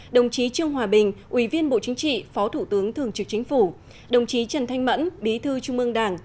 đồng chí trương hòa bình ủy viên bộ chính trị phó thủ tướng thường trực chính phủ đồng chí trần thanh mẫn bí thư trung ương đảng